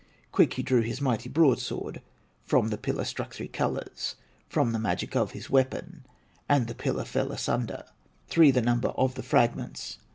Quick he drew his mighty broadsword, From the pillar struck three colors, From the magic of his weapon; And the pillar fell asunder, Three the number of the fragments.